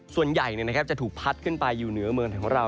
ส่วนใหญ่จะถูกพัดขึ้นไปอยู่เหนือเมืองไทยของเรา